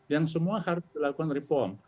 yang semua harus dilakukan reform